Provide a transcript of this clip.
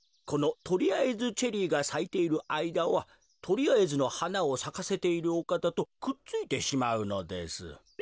このとりあえずチェリーがさいているあいだはとりあえずのはなをさかせているおかたとくっついてしまうのです。